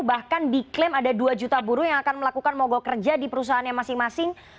bahkan diklaim ada dua juta buruh yang akan melakukan mogok kerja di perusahaannya masing masing